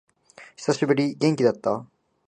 久しぶり。元気だった？